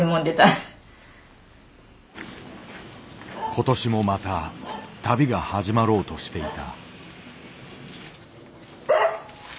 今年もまた旅が始まろうとしていた。